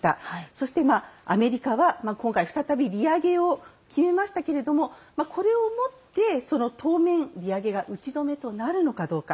そしてアメリカは今回再び、利上げを決めましたがこれをもって当面、利上げが打ち止めとなるのかどうか。